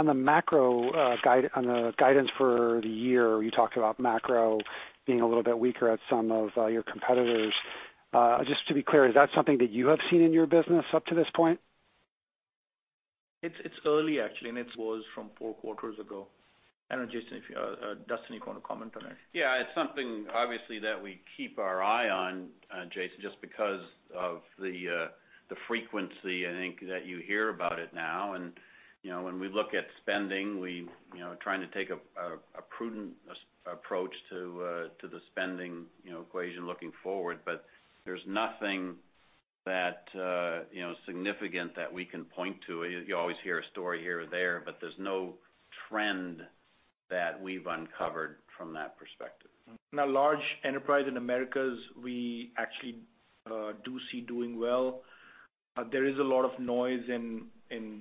the guidance for the year, you talked about macro being a little bit weaker at some of your competitors. Just to be clear, is that something that you have seen in your business up to this point? It's early, actually, it was from four quarters ago. I don't know, Jason, if Duston you want to comment on it. Yeah. It's something obviously that we keep our eye on, Jason, just because of the frequency, I think, that you hear about it now. When we look at spending, we're trying to take a prudent approach to the spending equation looking forward, but there's nothing that significant that we can point to. You always hear a story here or there, but there's no trend that we've uncovered from that perspective. Now, large enterprise in Americas, we actually do see doing well. There is a lot of noise in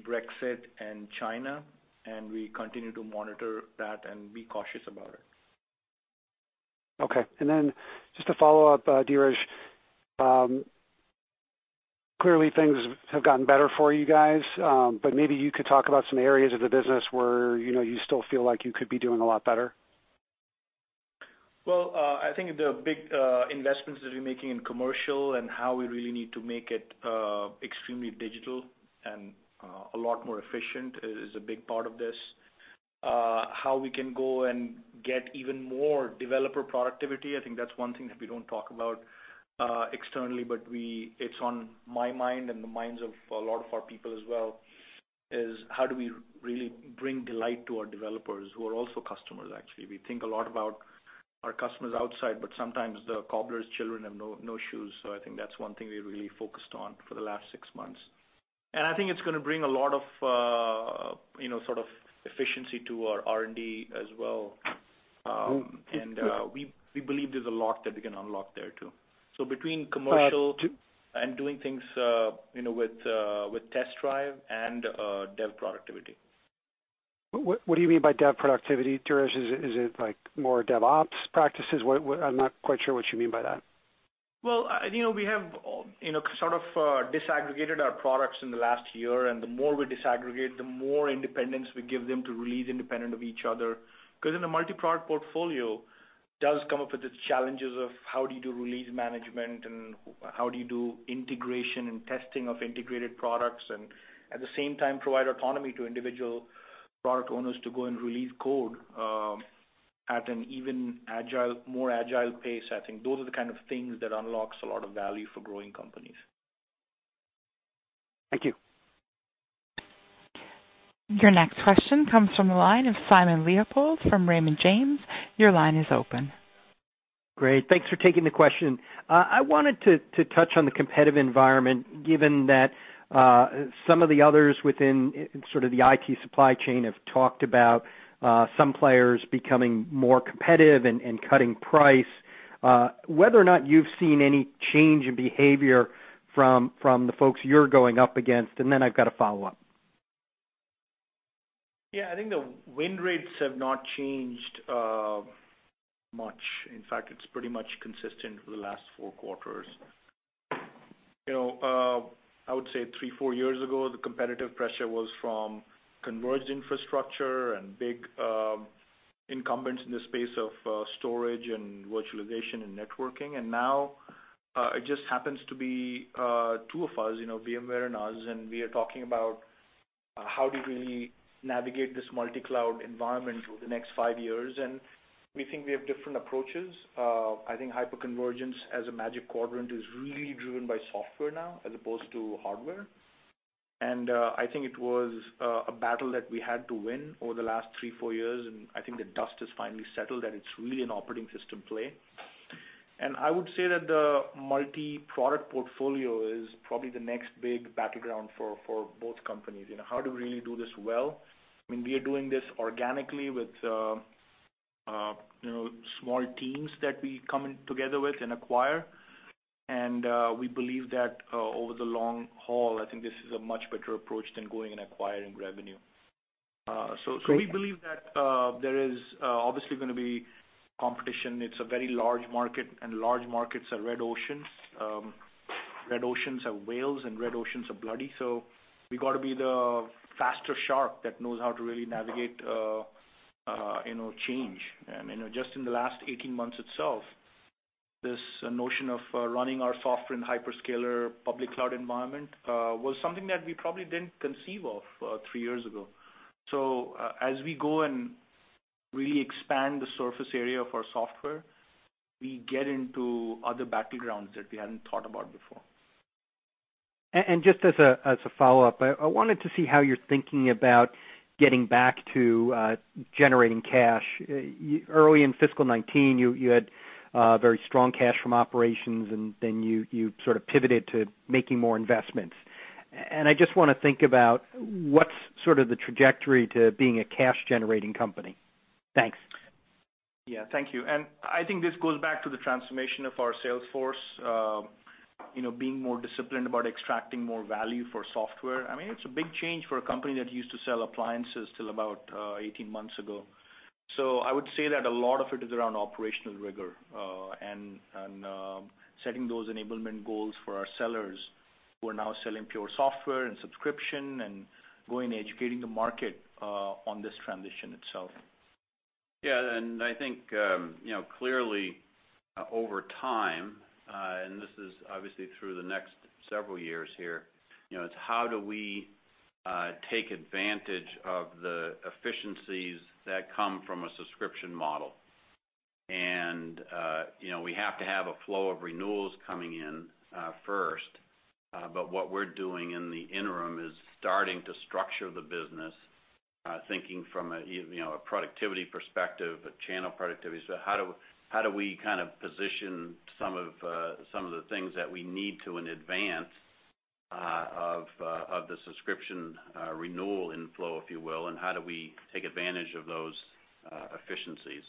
Brexit and China. We continue to monitor that and be cautious about it. Okay. Just a follow-up, Dheeraj. Clearly, things have gotten better for you guys. Maybe you could talk about some areas of the business where you still feel like you could be doing a lot better. Well, I think the big investments that we're making in commercial and how we really need to make it extremely digital and a lot more efficient is a big part of this. How we can go and get even more developer productivity, I think that's one thing that we don't talk about externally, but it's on my mind and the minds of a lot of our people as well, is how do we really bring delight to our developers who are also customers, actually. We think a lot about our customers outside, but sometimes the cobbler's children have no shoes. I think that's one thing we really focused on for the last six months. I think it's going to bring a lot of sort of efficiency to our R&D as well. We believe there's a lot that we can unlock there too. Between commercial and doing things with Test Drive and dev productivity. What do you mean by dev productivity, Dheeraj? Is it more DevOps practices? I'm not quite sure what you mean by that. Well, we have sort of disaggregated our products in the last year, and the more we disaggregate, the more independence we give them to release independent of each other. Because in a multi-product portfolio, it does come up with the challenges of how do you do release management and how do you do integration and testing of integrated products, and at the same time provide autonomy to individual product owners to go and release code at an even more agile pace. I think those are the kind of things that unlocks a lot of value for growing companies. Thank you. Your next question comes from the line of Simon Leopold from Raymond James. Your line is open. Great. Thanks for taking the question. I wanted to touch on the competitive environment, given that some of the others within sort of the IT supply chain have talked about some players becoming more competitive and cutting price. Whether or not you've seen any change in behavior from the folks you're going up against? I've got a follow-up. Yeah, I think the win rates have not changed much. It's pretty much consistent for the last four quarters. I would say three, four years ago, the competitive pressure was from converged infrastructure and big incumbents in the space of storage and virtualization and networking. Now, it just happens to be two of us, VMware and us, and we are talking about how do we navigate this multi-cloud environment over the next five years, and we think we have different approaches. I think hyperconvergence as a Magic Quadrant is really driven by software now as opposed to hardware. I think it was a battle that we had to win over the last three, four years, and I think the dust has finally settled, and it's really an operating system play. I would say that the multi-product portfolio is probably the next big battleground for both companies. How to really do this well. We are doing this organically with small teams that we come together with and acquire. We believe that over the long haul, I think this is a much better approach than going and acquiring revenue. We believe that there is obviously going to be competition. It's a very large market, and large markets are red oceans. Red oceans have whales, and red oceans are bloody. We got to be the faster shark that knows how to really navigate change. Just in the last 18 months itself, this notion of running our software and hyperscaler public cloud environment was something that we probably didn't conceive of three years ago. As we go and really expand the surface area for software, we get into other battlegrounds that we hadn't thought about before. Just as a follow-up, I wanted to see how you're thinking about getting back to generating cash. Early in fiscal 2019, you had very strong cash from operations, and then you sort of pivoted to making more investments. I just want to think about what's sort of the trajectory to being a cash-generating company. Thanks. Yeah, thank you. I think this goes back to the transformation of our sales force. Being more disciplined about extracting more value for software. It's a big change for a company that used to sell appliances till about 18 months ago. I would say that a lot of it is around operational rigor, and setting those enablement goals for our sellers who are now selling pure software and subscription and going educating the market on this transition itself. I think, clearly over time, this is obviously through the next several years, it's how do we take advantage of the efficiencies that come from a subscription model? We have to have a flow of renewals coming in first. What we're doing in the interim is starting to structure the business, thinking from a productivity perspective, a channel productivity. How do we position some of the things that we need to in advance of the subscription renewal inflow, if you will, how do we take advantage of those efficiencies?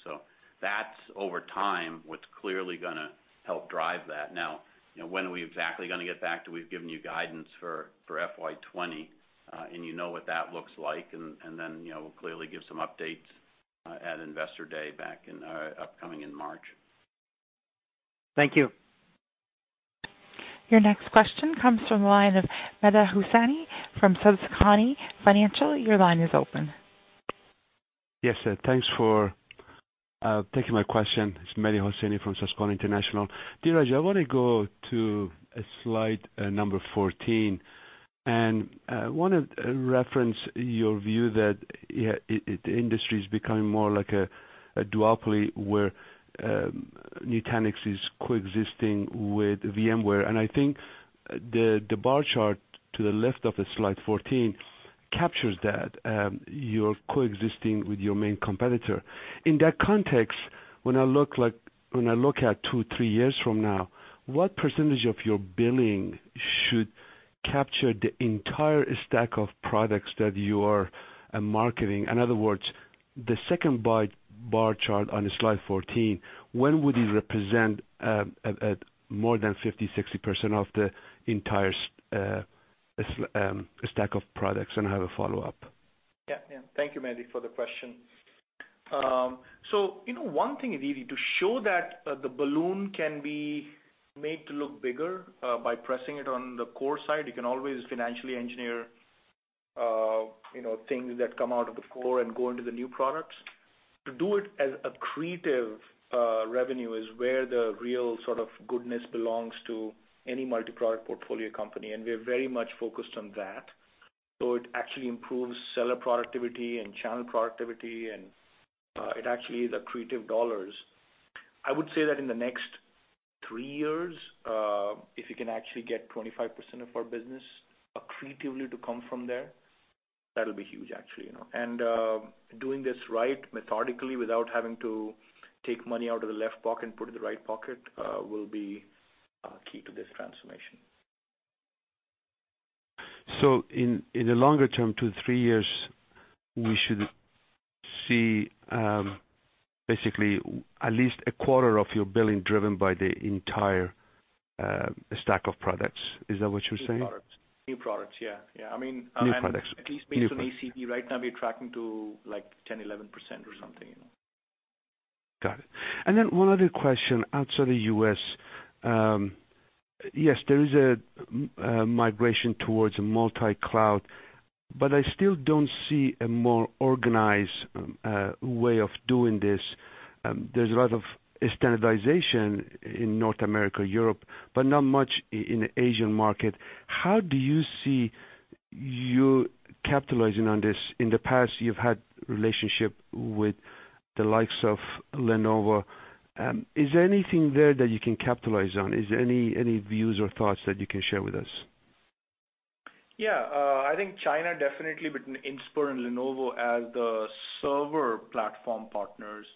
That's over time, what's clearly going to help drive that. Now, when are we exactly going to get back to we've given you guidance for FY 2020, you know what that looks like. Then, we'll clearly give some updates at Investor Day upcoming in March. Thank you. Your next question comes from the line of Mehdi Hosseini from Susquehanna Financial. Your line is open. Yes, thanks for taking my question. It's Mehdi Hosseini from Susquehanna International. Dheeraj, I want to go to slide number 14. I want to reference your view that the industry is becoming more like a duopoly where Nutanix is coexisting with VMware. I think the bar chart to the left of slide 14 captures that you're coexisting with your main competitor. In that context, when I look at two, three years from now, what % of your billing should capture the entire stack of products that you are marketing? In other words, the second bar chart on slide 14, when would it represent more than 50%, 60% of the entire stack of products? I have a follow-up. Yeah. Thank you, Mehdi, for the question. One thing, really, to show that the balloon can be made to look bigger by pressing it on the core side, you can always financially engineer things that come out of the core and go into the new products. To do it as accretive revenue is where the real sort of goodness belongs to any multi-product portfolio company, and we are very much focused on that. It actually improves seller productivity and channel productivity, and it actually is accretive dollars. I would say that in the next three years, if we can actually get 25% of our business accretively to come from there, that'll be huge, actually. Doing this right methodically without having to take money out of the left pocket and put it in the right pocket will be key to this transformation. In the longer term, two to three years, we should see basically at least a quarter of your billing driven by the entire stack of products. Is that what you're saying? New products. Yeah. New products. At least based on ACV right now, we are tracking to 10%, 11% or something. Got it. One other question. Outside the U.S., yes, there is a migration towards a multi-cloud, but I still don't see a more organized way of doing this. There's a lot of standardization in North America, Europe, but not much in the Asian market. How do you see you capitalizing on this? In the past, you've had relationships with the likes of Lenovo. Is there anything there that you can capitalize on? Is there any views or thoughts that you can share with us? Yeah. I think China definitely, with Inspur and Lenovo as the server platform partners.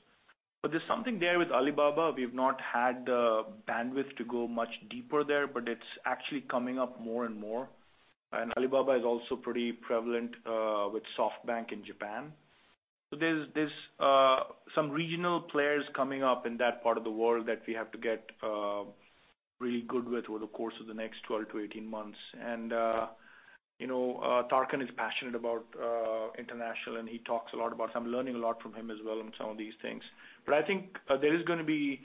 There's something there with Alibaba. We've not had the bandwidth to go much deeper there, but it's actually coming up more and more. Alibaba is also pretty prevalent with SoftBank in Japan. There's some regional players coming up in that part of the world that we have to get really good with over the course of the next 12 to 18 months. Tarkan is passionate about international, and he talks a lot about it. I'm learning a lot from him as well on some of these things. I think there is going to be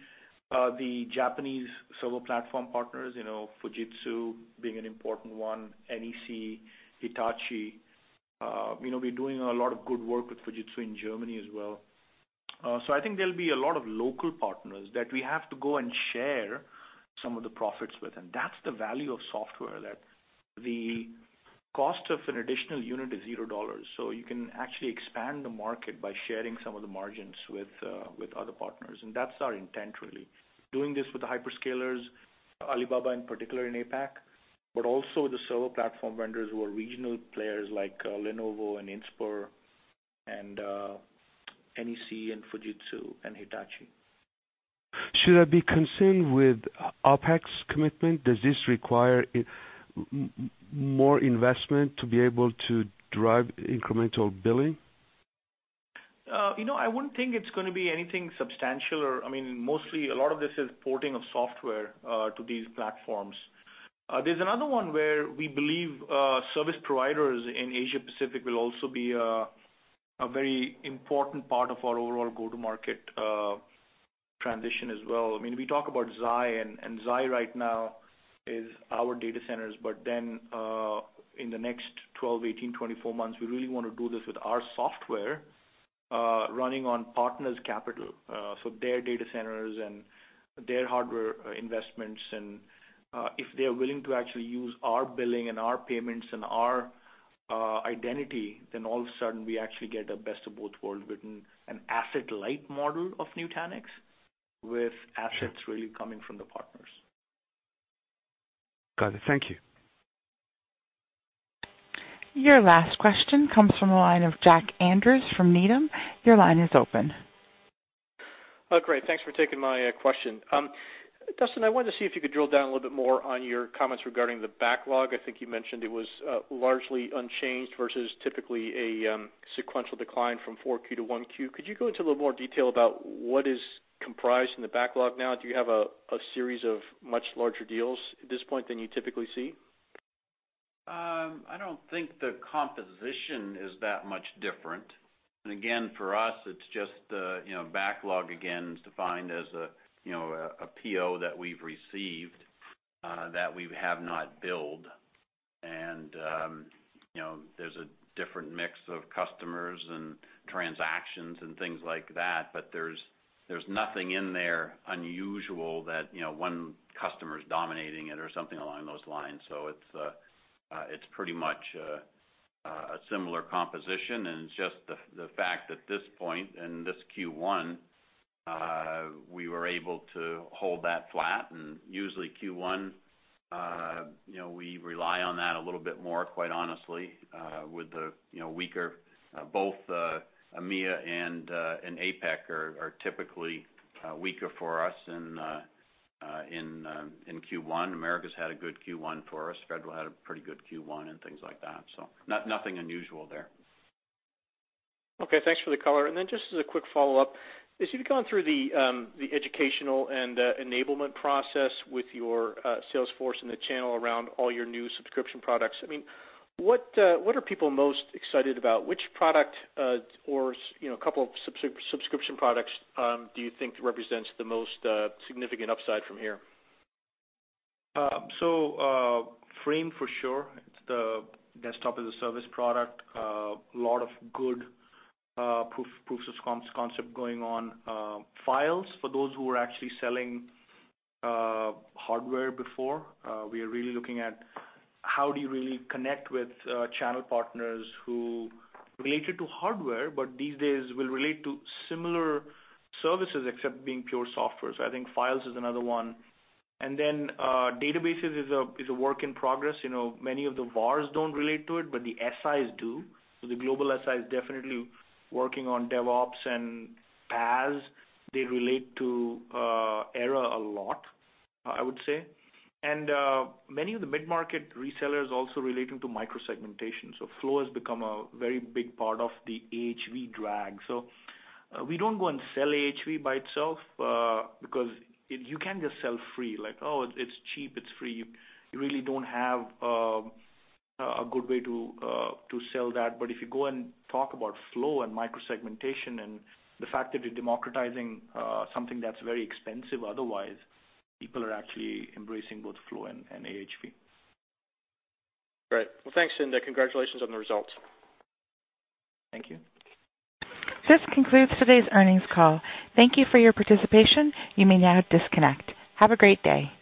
the Japanese server platform partners, Fujitsu being an important one, NEC, Hitachi. We're doing a lot of good work with Fujitsu in Germany as well. I think there'll be a lot of local partners that we have to go and share some of the profits with, and that's the value of software, that the cost of an additional unit is $0. You can actually expand the market by sharing some of the margins with other partners, and that's our intent, really. Doing this with the hyperscalers, Alibaba in particular in APAC, but also the server platform vendors who are regional players like Lenovo and Inspur and NEC and Fujitsu and Hitachi. Should I be concerned with OpEx commitment? Does this require more investment to be able to drive incremental billing? I wouldn't think it's going to be anything substantial. A lot of this is porting of software to these platforms. There's another one where we believe service providers in Asia Pacific will also be a very important part of our overall go-to-market transition as well. We talk about Xi. Xi right now is our data centers. In the next 12, 18, 24 months, we really want to do this with our software running on partners' capital. Their data centers and their hardware investments, and if they're willing to actually use our billing and our payments and our identity, then all of a sudden, we actually get the best of both worlds with an asset-light model of Nutanix with assets really coming from the partners. Got it. Thank you. Your last question comes from the line of Jack Andrews from Needham. Your line is open. Great. Thanks for taking my question. Dustin, I wanted to see if you could drill down a little bit more on your comments regarding the backlog. I think you mentioned it was largely unchanged versus typically a sequential decline from 4Q to 1Q. Could you go into a little more detail about what is comprised in the backlog now? Do you have a series of much larger deals at this point than you typically see? I don't think the composition is that much different. Again, for us, it's just backlog again is defined as a PO that we've received that we have not billed. There's a different mix of customers and transactions and things like that. There's nothing in there unusual that one customer's dominating it or something along those lines. It's pretty much a similar composition, and it's just the fact that at this point in this Q1, we were able to hold that flat, and usually Q1, we rely on that a little bit more, quite honestly, with the weaker-- both EMEA and APAC are typically weaker for us in Q1. Americas had a good Q1 for us. Federal had a pretty good Q1 and things like that, so nothing unusual there. Okay, thanks for the color. Just as a quick follow-up, as you've gone through the educational and enablement process with your sales force and the channel around all your new subscription products, what are people most excited about? Which product or a couple of subscription products do you think represents the most significant upside from here? Frame, for sure. It's the desktop as a service product. A lot of good proofs of concept going on. Files, for those who were actually selling hardware before, we are really looking at how do you really connect with channel partners who related to hardware, but these days will relate to similar services, except being pure software. I think Files is another one. Databases is a work in progress. Many of the VARs don't relate to it but the SIs do. The global SIs definitely working on DevOps and PaaS. They relate to Era a lot, I would say. Many of the mid-market resellers also relating to micro-segmentation. Flow has become a very big part of the AHV drag. We don't go and sell AHV by itself because you can't just sell free, like, "Oh, it's cheap, it's free." You really don't have a good way to sell that. If you go and talk about Flow and micro-segmentation and the fact that you're democratizing something that's very expensive otherwise, people are actually embracing both Flow and AHV. Great. Well, thanks, [Sundar]. Congratulations on the results. Thank you. This concludes today's earnings call. Thank you for your participation. You may now disconnect. Have a great day.